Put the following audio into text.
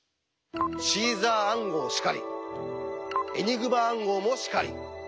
シーザー暗号しかりエニグマ暗号もしかり。